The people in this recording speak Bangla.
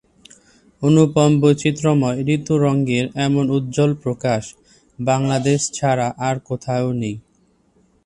অনুপম বৈচিত্র্যময় ঋতুরঙ্গের এমন উজ্জ্বল প্রকাশ বাংলাদেশ ছাড়া আর কোথাও নেই।